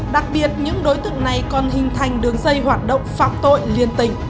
đặc biệt những đối tượng này còn hình thành đường dây hoạt động pháp tội liên tình